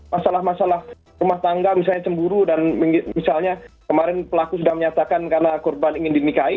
masalah masalah rumah tangga misalnya cemburu dan misalnya kemarin pelaku sudah menyatakan karena korban ingin dinikahi